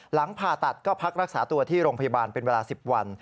หลังผ่าตัดก็พักรักษาตัวที่โรงพยาบาลเป็นเวลา๑๐วัน